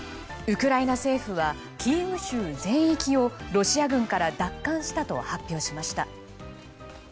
ウクライナ政府はキーウ州全域をロシア軍から奪還したと発表しました。